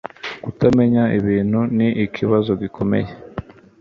kutamenya ibintu ni ikibazo gikomeye